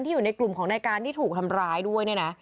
อยู่ในกลุ่มของนายการที่ถูกทำร้ายด้วยเนี่ยนะ